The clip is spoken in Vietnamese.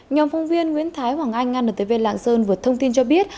nhóm phong viên nguyễn thái hoàng anh ntv lạng sơn vượt thông tin cho biết